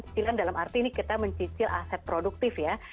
cicilan dalam arti ini kita mencicil aset produktif ya